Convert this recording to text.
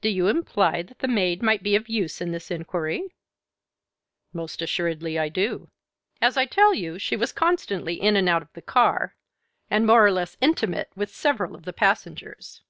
"Do you imply that the maid might be of use in this inquiry?" "Most assuredly I do. As I tell you, she was constantly in and out of the car, and more or less intimate with several of the passengers."